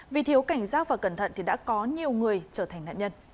vì thiếu cảnh giác và cẩn thận thì đã có nhiều người trở thành nạn nhân